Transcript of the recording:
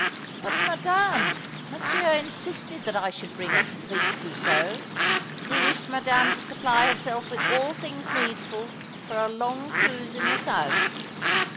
"But, Madame, Monsieur insisted that I should bring a complete trousseau. Bie wished Madame to supply herself with all things needful for a long cruise in the south."